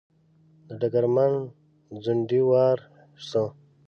د ډګرمن ځونډي وار شو.